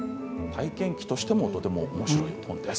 体験記としてもおもしろい本です。